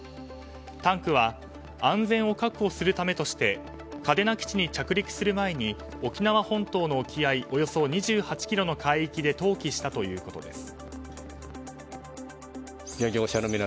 タンクは安全を確保するためとして嘉手納基地に着陸する前に沖縄本島の沖合およそ２８ｋｍの海域で投棄したということです。